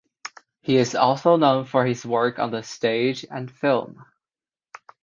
He is also known for his work on the stage and film.